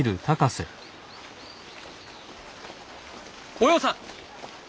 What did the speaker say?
おようさん！